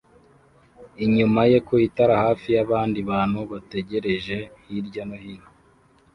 inyuma ye ku itara hafi y’abandi bantu bategereje hirya no hino